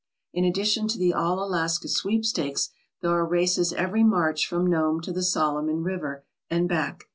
In addition to the All Alaska Sweepstakes there are races every March from Nome to the Solomon River and back.